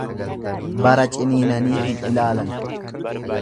Bara ciniinanii hin ilaalan.